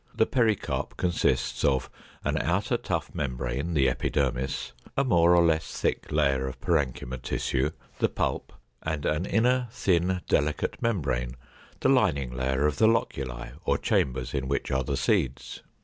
The pericarp consists of an outer tough membrane, the epidermis, a more or less thick layer of parenchyma tissue, the pulp, and an inner thin, delicate membrane, the lining layer of the loculi or chambers in which are the seeds.